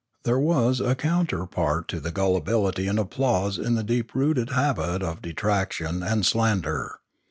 There was a counterpart to the gullibility and applause in the deep rooted habit of detraction and slander.